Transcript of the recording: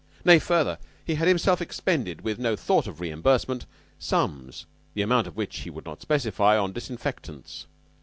Nay, further, he had himself expended, with no thought of reimbursement, sums, the amount of which he would not specify, on disinfectants.